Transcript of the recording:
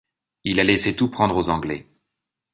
Il a laissé tout prendre aux anglais.